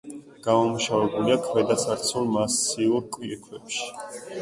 გამომუშავებულია ქვედაცარცულ მასიურ კირქვებში.